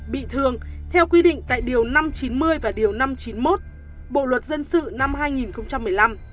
bị thương theo quy định tại điều năm trăm chín mươi và điều năm trăm chín mươi một bộ luật dân sự năm hai nghìn một mươi năm